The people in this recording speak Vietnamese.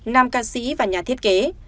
nam ca sĩ và nhà thiết kế